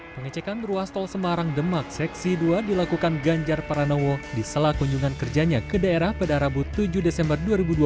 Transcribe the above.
pengecekan ruas tol semarang demak seksi dua dilakukan ganjar pranowo di sela kunjungan kerjanya ke daerah pada rabu tujuh desember dua ribu dua puluh